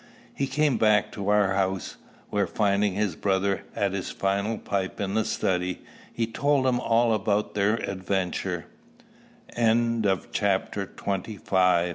He came back to our house, where, finding his brother at his final pipe in the study, he told him all about their adventure. CHAPTER XXIV. MY FIRST TERROR.